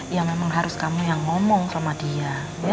ya memang harus kamu yang ngomong sama dia